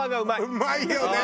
うまいよね。